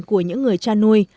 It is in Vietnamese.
của những người cha nuôi